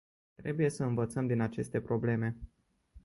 Trebuie să învățăm din aceste probleme.